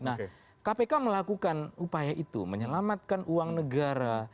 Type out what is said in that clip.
nah kpk melakukan upaya itu menyelamatkan uang negara